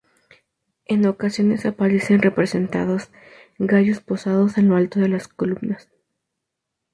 En ocasiones aparecen representados gallos posados en lo alto de las columnas.